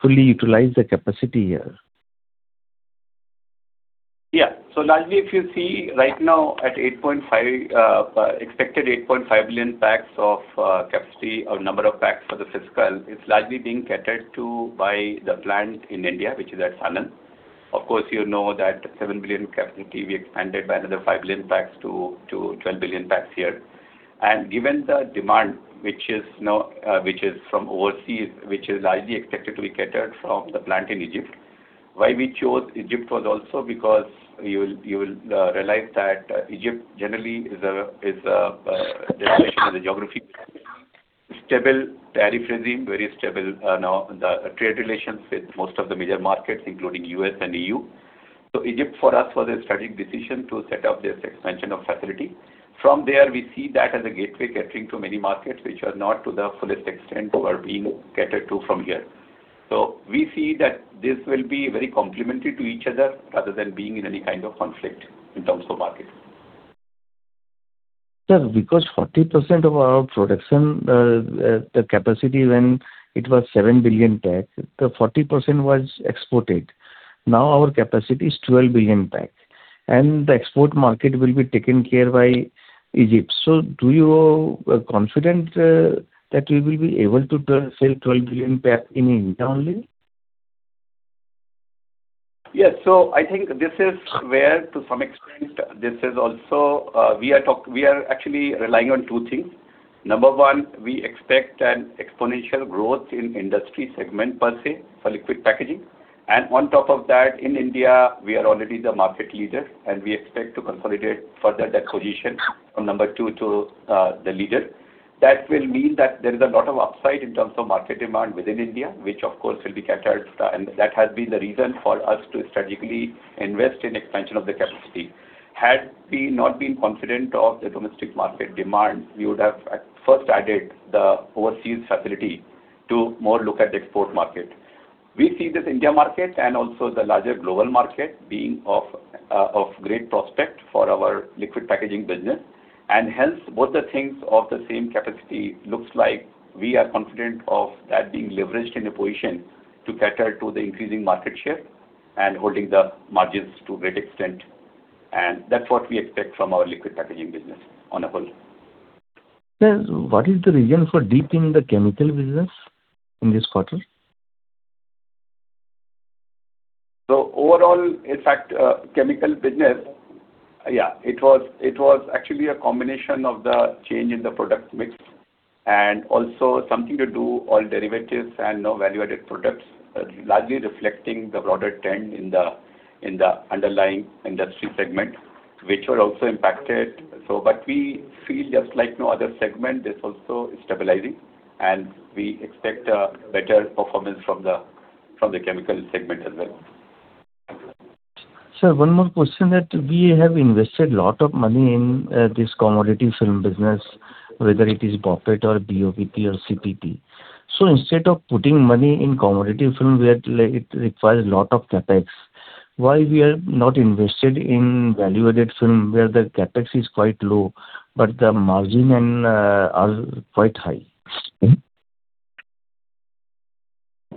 fully utilize the capacity here? Yeah. So largely, if you see right now at 8.5, expected 8.5 billion packs of capacity or number of packs for the fiscal, it's largely being catered to by the plant in India, which is at Sanand. Of course, you know that 7 billion capacity, we expanded by another 5 billion packs to 12 billion packs here. And given the demand, which is now, which is from overseas, which is largely expected to be catered from the plant in Egypt. Why we chose Egypt was also because you will realize that Egypt generally is a, is a, the geography. Stable tariff regime, very stable, you know, the trade relations with most of the major markets, including U.S. and E.U. So Egypt, for us, was a strategic decision to set up this expansion of facility. From there, we see that as a gateway catering to many markets which are not to the fullest extent, but are being catered to from here. So we see that this will be very complementary to each other rather than being in any kind of conflict in terms of market. Sir, because 40% of our production, the capacity when it was 7 billion pack, the 40% was exported. Now our capacity is 12 billion pack, and the export market will be taken care of by Egypt. So do you confident that you will be able to turn, sell 12 billion pack in India only?... Yes, so I think this is where, to some extent, this is also, we are actually relying on two things. Number one, we expect an exponential growth in industry segment per se, for liquid packaging. And on top of that, in India, we are already the market leader, and we expect to consolidate further that position from number two to, the leader. That will mean that there is a lot of upside in terms of market demand within India, which of course will be catered, and that has been the reason for us to strategically invest in expansion of the capacity. Had we not been confident of the domestic market demand, we would have, first added the overseas facility to more look at the export market. We see this India market and also the larger global market being of, of great prospect for our liquid packaging business. Hence, both the things of the same capacity looks like we are confident of that being leveraged in a position to cater to the increasing market share and holding the margins to great extent, and that's what we expect from our liquid packaging business on a whole. Sir, what is the reason for dip in the chemical business in this quarter? So overall, in fact, chemical business, yeah, it was, it was actually a combination of the change in the product mix, and also something to do, all derivatives and no value-added products, largely reflecting the broader trend in the, in the underlying industry segment, which were also impacted. So, but we feel just like no other segment, this also is stabilizing, and we expect a better performance from the, from the chemical segment as well. Sir, one more question that we have invested a lot of money in this commodity film business, whether it is BOPET or BOPP or CPP. So instead of putting money in commodity film, where like it requires a lot of CapEx, why we are not invested in value-added film, where the CapEx is quite low, but the margin and are quite high?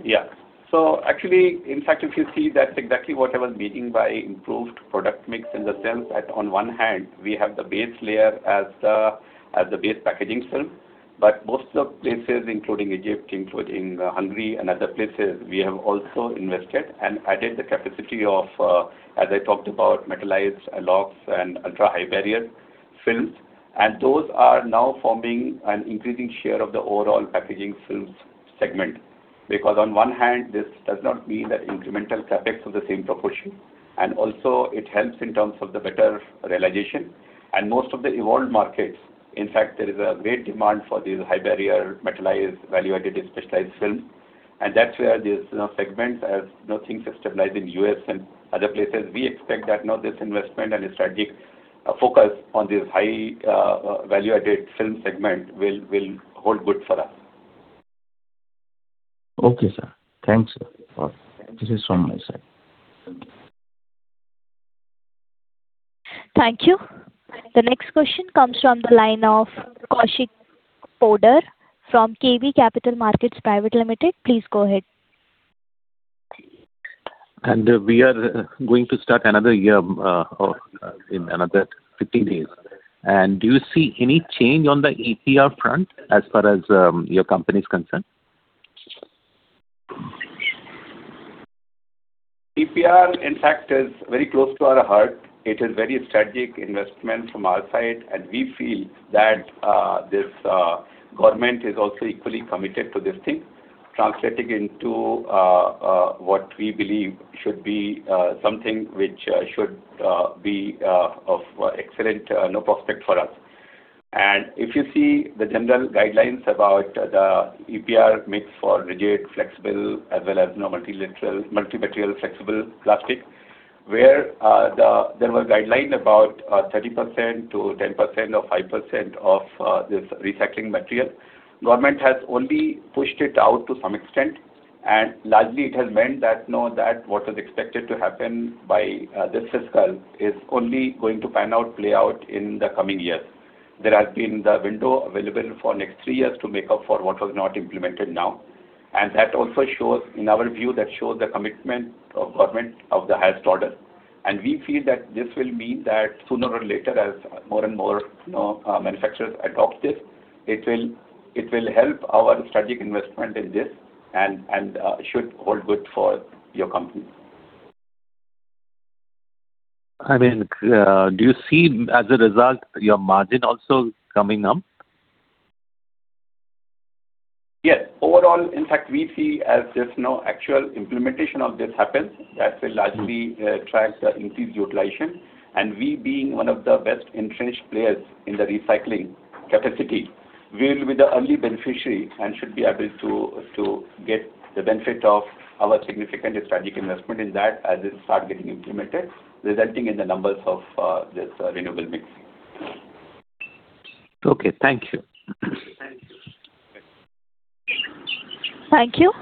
Yeah. So actually, in fact, if you see, that's exactly what I was meaning by improved product mix in the sense that on one hand, we have the base layer as the, as the base packaging film. But most of places, including Egypt, including Hungary and other places, we have also invested and added the capacity of, as I talked about metallized, AlOx, and ultra-high barrier films. And those are now forming an increasing share of the overall packaging films segment. Because on one hand, this does not mean that incremental CapEx of the same proportion, and also it helps in terms of the better realization. And most of the evolved markets, in fact, there is a great demand for these high barrier, metallized, value-added, and specialized film. That's where this segment, as you know, things have stabilized in the U.S. and other places. We expect that now this investment and strategic focus on this high value-added film segment will hold good for us. Okay, sir. Thanks, sir. This is from my side. Thank you. The next question comes from the line of Kaushik Poddar from KB Capital Markets Private Limited. Please go ahead. We are going to start another year in another 15 days. Do you see any change on the EPR front as far as your company is concerned? EPR, in fact, is very close to our heart. It is very strategic investment from our side, and we feel that this government is also equally committed to this thing, translating into what we believe should be something which should be of excellent no prospect for us. And if you see the general guidelines about the EPR mix for rigid, flexible, as well as, you know, multi-lateral, multi-material, flexible plastic, where the... There was a guideline about 30%-10% or 5% of this recycling material. Government has only pushed it out to some extent, and largely it has meant that, you know, that what was expected to happen by this fiscal is only going to pan out, play out in the coming years. There has been the window available for next three years to make up for what was not implemented now, and that also shows, in our view, that shows the commitment of government of the highest order. We feel that this will mean that sooner or later, as more and more, you know, manufacturers adopt this, it will help our strategic investment in this and should hold good for your company. I mean, do you see as a result, your margin also coming up? Yes. Overall, in fact, we see as this now actual implementation of this happens, that will largely track the increased utilization. And we, being one of the best entrenched players in the recycling capacity, we will be the early beneficiary and should be able to get the benefit of our significant strategic investment in that as it start getting implemented, resulting in the numbers of this renewable mix. Okay, thank you. Thank you.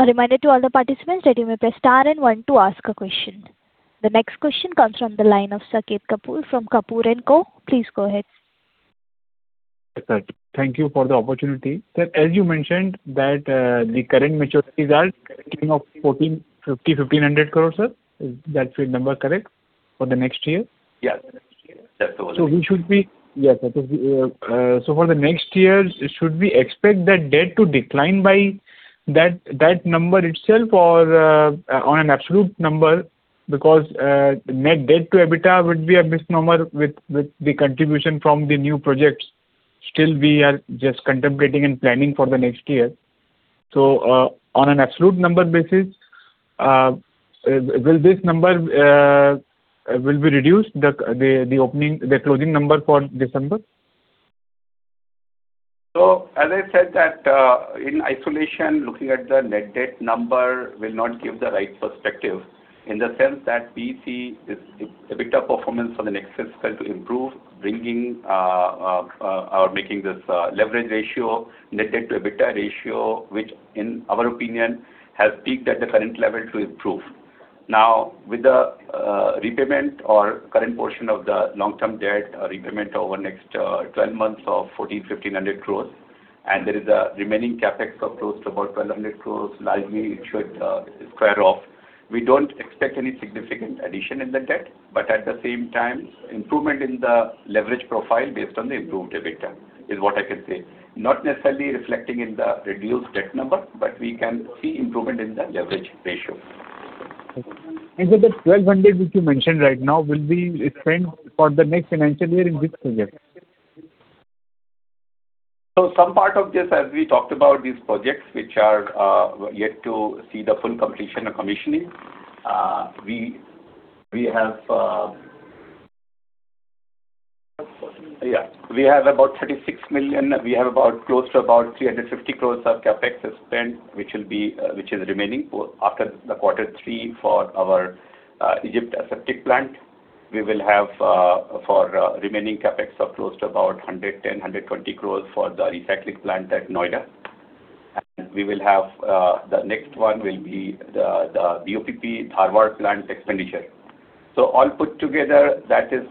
A reminder to all the participants that you may press star and one to ask a question. The next question comes from the line of Saket Kapoor, from Kapoor & Co. Please go ahead. Thank you for the opportunity. Sir, as you mentioned, that, the current maturity results came up 1,450-1,500 crores, sir. Is that figure number correct for the next year? Yeah. ...So we should be, yes, so for the next year, should we expect that debt to decline by that number itself or on an absolute number? Because net debt to EBITDA would be a misnomer with the contribution from the new projects. Still, we are just contemplating and planning for the next year. So on an absolute number basis, will this number be reduced, the opening, the closing number for December? So as I said that, in isolation, looking at the net debt number will not give the right perspective in the sense that we see this, the EBITDA performance for the next fiscal to improve, bringing or making this leverage ratio, net debt to EBITDA ratio, which in our opinion, has peaked at the current level to improve. Now, with the repayment or current portion of the long-term debt repayment over the next 12 months of 1,400-1,500 crore, and there is a remaining CapEx of close to about 1,200 crore, largely it should square off. We don't expect any significant addition in the debt, but at the same time, improvement in the leverage profile based on the improved EBITDA is what I can say. Not necessarily reflecting in the reduced debt number, but we can see improvement in the leverage ratio. So the 1,200, which you mentioned right now, will be spent for the next financial year in which project? So some part of this, as we talked about these projects, which are yet to see the full completion and commissioning. We have about 36 million. We have about close to about 350 crores of CapEx spent, which will be, which is remaining for after the quarter three for our Egypt aseptic plant. We will have for remaining CapEx of close to about 110-120 crores for the recycling plant at Noida. And we will have the next one will be the BOPP Dharwad plant expenditure. So all put together, that is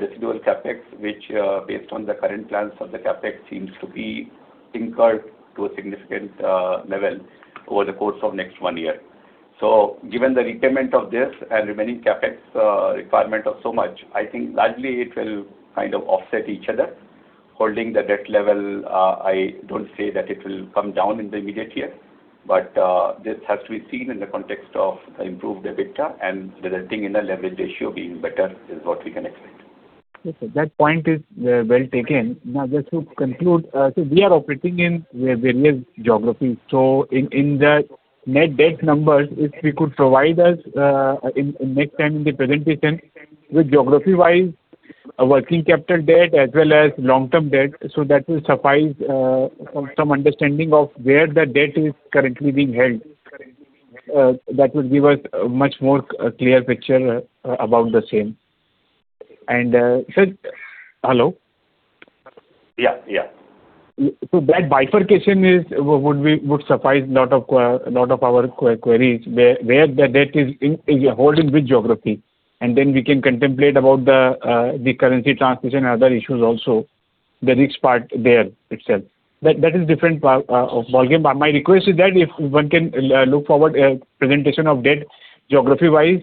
residual CapEx, which based on the current plans of the CapEx, seems to be incurred to a significant level over the course of next one year. So given the repayment of this and remaining CapEx requirement of so much, I think largely it will kind of offset each other. Holding the debt level, I don't say that it will come down in the immediate year, but, this has to be seen in the context of the improved EBITDA, and the resulting in a leverage ratio being better is what we can expect. Okay. That point is well taken. Now, just to conclude, so we are operating in various geographies. So in the net debt numbers, if you could provide us, in next time in the presentation, with geography-wise, a working capital debt as well as long-term debt, so that will suffice some understanding of where the debt is currently being held. That would give us a much more clear picture about the same. And, sir, hello? Yeah, yeah. So that bifurcation is, would be, would suffice a lot of, a lot of our queries, where, where the debt is held in which geography, and then we can contemplate about the, the currency transmission and other issues also, the risk part there itself. That, that is different part of ballgame. But my request is that if one can, look forward a presentation of debt, geography-wise,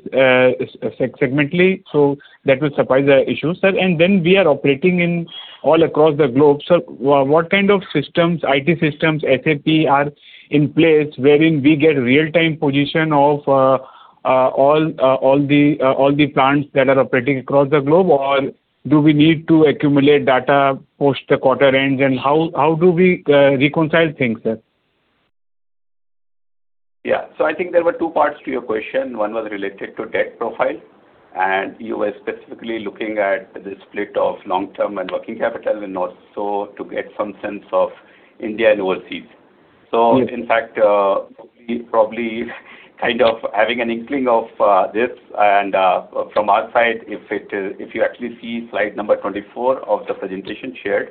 segmentally, so that will suffice the issues. Sir, and then we are operating in all across the globe, so what kind of systems, IT systems, SAP, are in place wherein we get real-time position of, all, all the, all the plants that are operating across the globe? Or do we need to accumulate data post the quarter ends, and how do we, reconcile things, sir? Yeah. So I think there were two parts to your question. One was related to debt profile, and you were specifically looking at the split of long-term and working capital, and also to get some sense of India and overseas. Yes. So in fact, we probably kind of having an inkling of this. From our side, if it, if you actually see slide number 24 of the presentation shared,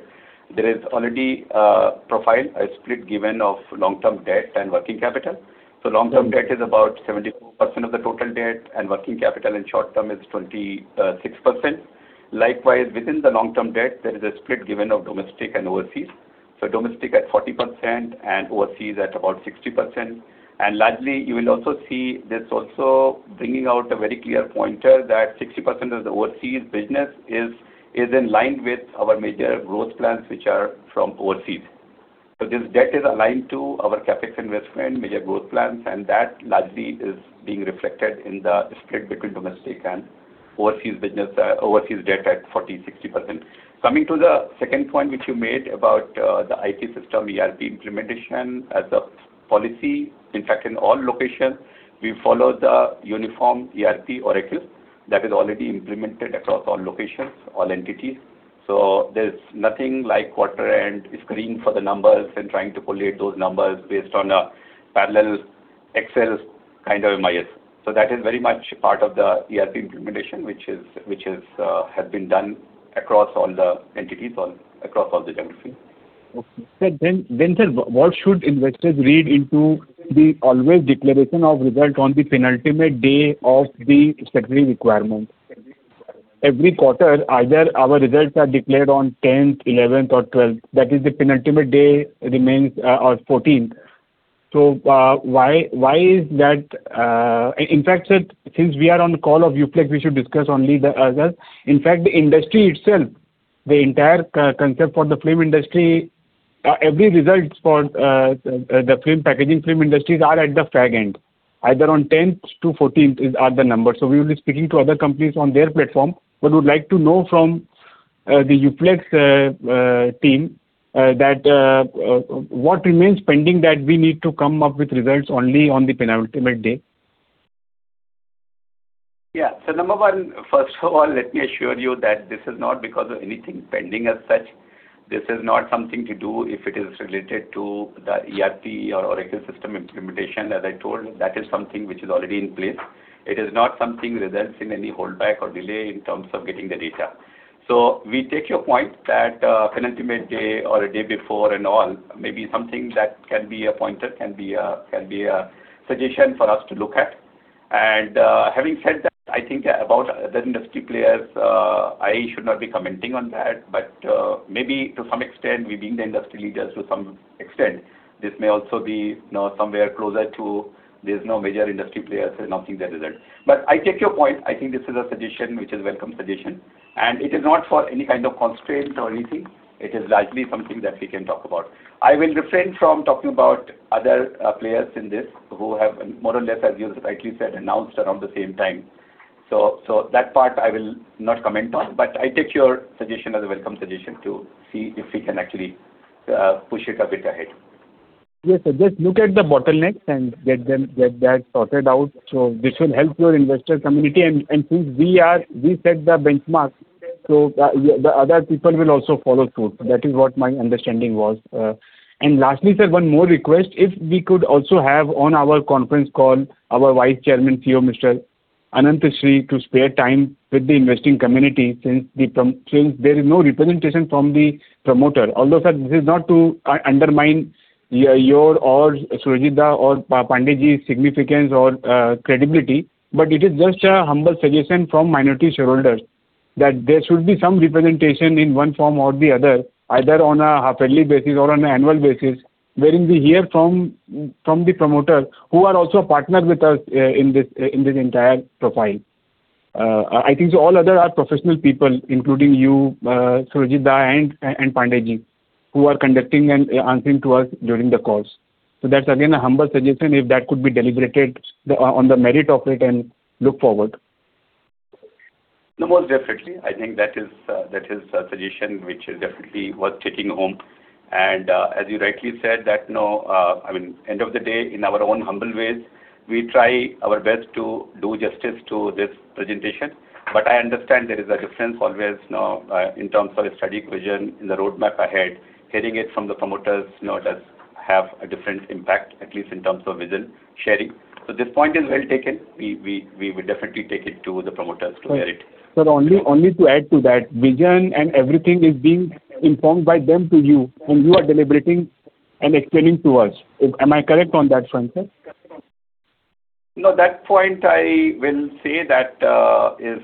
there is already a profile, a split given of long-term debt and working capital. Mm-hmm. So long-term debt is about 74% of the total debt, and working capital and short-term is 26%. Likewise, within the long-term debt, there is a split given of domestic and overseas. So domestic at 40% and overseas at about 60%. And largely, you will also see this also bringing out a very clear pointer that 60% of the overseas business is in line with our major growth plans, which are from overseas. So this debt is aligned to our CapEx investment, major growth plans, and that largely is being reflected in the split between domestic and overseas business, overseas debt at 40%-60%. Coming to the second point, which you made about the IT system, ERP implementation as a policy. In fact, in all locations, we follow the uniform ERP Oracle that is already implemented across all locations, all entities. So there's nothing like quarter end screening for the numbers and trying to collate those numbers based on a parallel Excel kind of MIS. So that is very much part of the ERP implementation, which has been done across all the entities, all across all the geographies. Okay. Sir, then, sir, what should investors read into the always declaration of result on the penultimate day of the statutory requirement? Every quarter, either our results are declared on tenth, eleventh, or twelfth, that is the penultimate day remains, or fourteenth. So, why is that? In fact, sir, since we are on the call of UFlex, we should discuss only the other. In fact, the industry itself, the entire co-concept for the film industry, every results for the film packaging film industries are at the fag end, either on tenth to fourteenth are the numbers. So we will be speaking to other companies on their platform. But we would like to know from the UFlex team that what remains pending that we need to come up with results only on the penultimate day? Yeah. So number one, first of all, let me assure you that this is not because of anything pending as such. This is not something to do if it is related to the ERP or Oracle system implementation. As I told you, that is something which is already in place. It is not something results in any holdback or delay in terms of getting the data. So we take your point that, penultimate day or a day before and all, may be something that can be a pointer, can be a suggestion for us to look at. Having said that, I think about the industry players, I should not be commenting on that, but, maybe to some extent, we being the industry leaders to some extent, this may also be, you know, somewhere closer to there's no major industry players announcing their results. But I take your point. I think this is a suggestion, which is welcome suggestion, and it is not for any kind of constraint or anything. It is largely something that we can talk about. I will refrain from talking about other, players in this who have more or less, as you rightly said, announced around the same time. So, so that part I will not comment on, but I take your suggestion as a welcome suggestion to see if we can actually, push it a bit ahead. Yes, sir. Just look at the bottlenecks and get them, get that sorted out, so this will help your investor community. And since we are—we set the benchmark, so, yeah, the other people will also follow through. That is what my understanding was. And lastly, sir, one more request, if we could also have on our conference call our Vice Chairman, CEO, Mr. Anantshree, to spare time with the investing community, since the com... Since there is no representation from the promoter. Although, sir, this is not to undermine your or Surajit's or Pandeyji's significance or credibility, but it is just a humble suggestion from minority shareholders, that there should be some representation in one form or the other, either on a half-yearly basis or on an annual basis, wherein we hear from the promoter who are also a partner with us in this entire profile. I think all other are professional people, including you, Surajit, and Pandeyji, who are conducting and answering to us during the calls. So that's again a humble suggestion, if that could be deliberated on the merit of it and look forward. No, most definitely. I think that is a suggestion which is definitely worth taking home. And, as you rightly said, that, you know, I mean, end of the day, in our own humble ways, we try our best to do justice to this presentation. But I understand there is a difference always, you know, in terms of a strategic vision in the roadmap ahead. Hearing it from the promoters, you know, does have a different impact, at least in terms of vision sharing. So this point is well taken. We will definitely take it to the promoters to hear it. Sir, only to add to that, vision and everything is being informed by them to you, and you are deliberating and explaining to us. Am I correct on that front, sir? No, that point I will say that is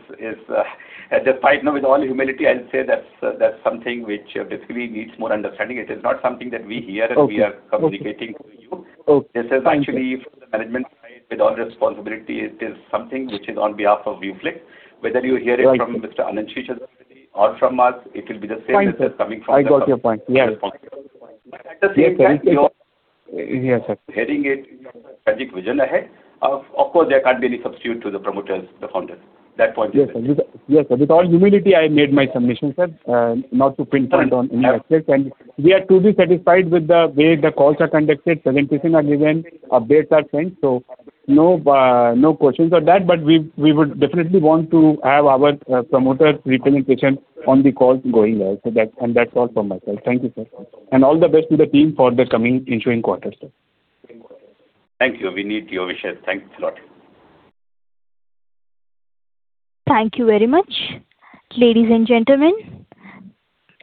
despite, you know, with all humility, I'll say that's something which basically needs more understanding. It is not something that we hear- Okay. And we are communicating to you. Okay. Thank you. This is actually from the management side, with all responsibility. It is something which is on behalf of UFlex. Right. Whether you hear it from Mr. Anantshree or from us, it will be the same message coming from the- I got your point. Yes. But at the same time, we are- Yes, sir. Hearing it in your strategic vision ahead. Of course, there can't be any substitute to the promoters, the founders. That point- Yes, sir. Yes, sir, with all humility, I made my submission, sir, not to pinpoint on any aspect. Yeah. And we are truly satisfied with the way the calls are conducted, presentations are given, updates are sent, so no, no questions on that. But we, we would definitely want to have our, promoters representation on the call going ahead. So that, and that's all from myself. Thank you, sir. And all the best to the team for the coming ensuing quarters, sir. Thank you. We need your wishes. Thanks a lot. Thank you very much. Ladies and gentlemen,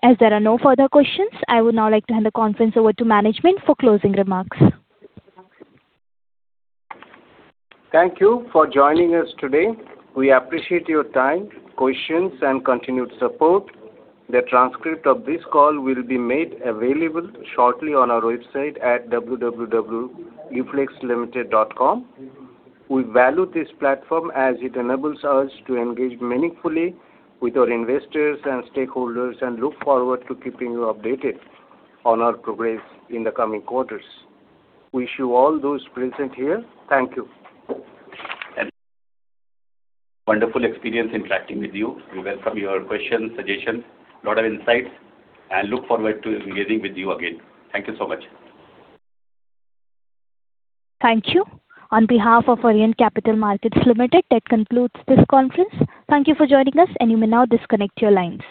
as there are no further questions, I would now like to hand the conference over to management for closing remarks. Thank you for joining us today. We appreciate your time, questions, and continued support. The transcript of this call will be made available shortly on our website at www.uflexlimited.com. We value this platform as it enables us to engage meaningfully with our investors and stakeholders, and look forward to keeping you updated on our progress in the coming quarters. Wish you all those present here, thank you. Wonderful experience interacting with you. We welcome your questions, suggestions, lot of insights, and look forward to engaging with you again. Thank you so much. Thank you. On behalf of Orient Capital Markets Limited, that concludes this conference. Thank you for joining us, and you may now disconnect your lines.